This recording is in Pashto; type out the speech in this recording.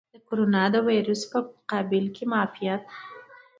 د کوروناویرس په مقابل کې معافیت.